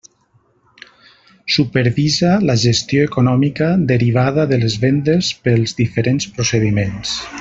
Supervisa la gestió econòmica derivada de les vendes pels diferents procediments.